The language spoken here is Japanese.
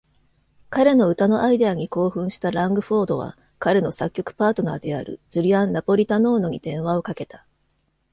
彼の歌のアイデアに興奮したラングフォードは彼の作曲パートナーであるジュリアンナポリタノーノに電話をかけた。